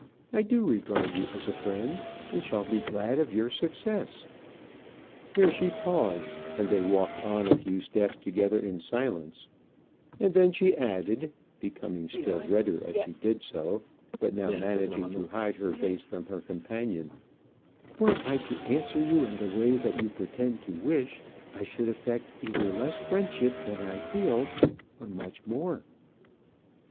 I do regard you as a friend, and shall be glad of your success." Here she paused, and they walked on a few steps together in silence; and then she added, becoming still redder as she did so, but now managing to hide her face from her companion, "Were I to answer you in the way that you pretend to wish, I should affect either less friendship than I feel, or much more."